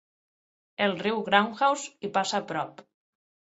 El riu Groundhouse hi passa a prop.